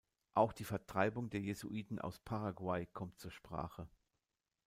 Auch die Vertreibung der Jesuiten aus Paraguay kommt zur Sprache.